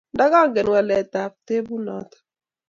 ndagangen waletab tebut noto